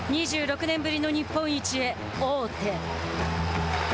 ２６年ぶりの日本一へ、王手。